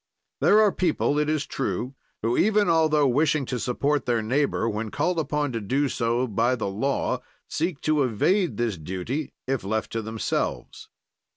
"There are people, it is true, who, even altho wishing to support their neighbor when called upon to do so by the law, seek to evade this duty if left to themselves.